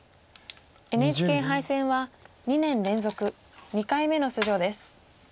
ＮＨＫ杯戦は２年連続２回目の出場です。